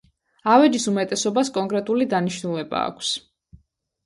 ავეჯის უმეტესობას კონკრეტული დანიშნულება აქვს.